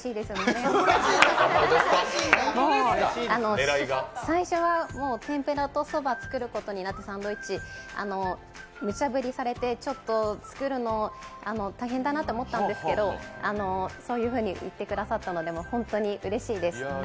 丸山さんに最初は天ぷらと蕎麦で作ることになって無茶ぶりされて、ちょっと作るの大変だなと思ったんですけど、そういうふうに言ってくださったので、本当にうれしいです。